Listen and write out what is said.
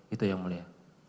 itu yang mulia